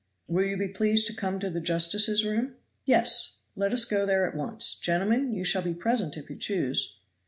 "Will you be pleased to come to the justices' room?" "Yes. Let us go there at once. Gentlemen, you shall be present if you choose."